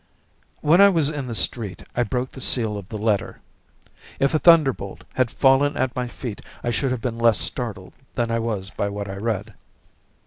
When I was in the street I broke the seal of the letter. If a thunder bolt had fallen at my feet I should have been less startled than I was by what I read.